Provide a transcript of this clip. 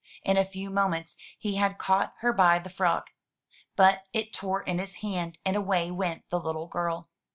In a few moments he had caught her by the frock. But it tore in his hand, and away went the little girl.